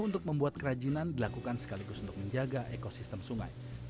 untuk membuat kerajinan dilakukan sekaligus untuk menjaga ekosistem sungai